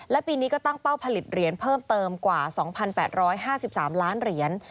และปีนี้ก็ตั้งเป้าผลิตเหรียญเพิ่มเติมกว่า๒๘๕๓ล้านเหรียญ